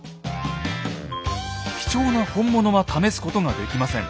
貴重な本物は試すことができません。